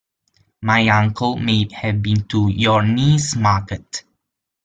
My uncle may have been to your niece's market.